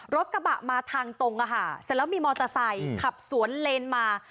รถกระบะมาทางตรงเสร็จแล้วมีมอเตอร์ไซค์ขับสวนเลนมา